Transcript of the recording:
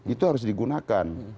itu harus digunakan